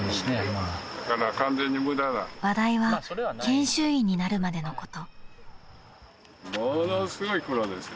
［話題は研修医になるまでのこと］